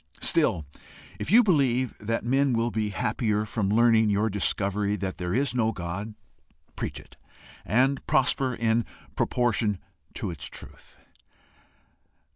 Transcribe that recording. Still, if you believe that men will be happier from learning your discovery that there is no God, preach it, and prosper in proportion to its truth.